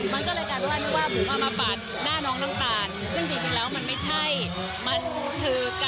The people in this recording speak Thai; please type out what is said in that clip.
มันก็เลยการว่านึกว่าบุ๋มเอามาปาดหน้าน้องน้ำตาล